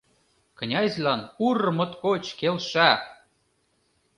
Князьлан ур моткоч келша.